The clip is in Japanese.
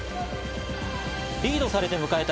リードされて迎えた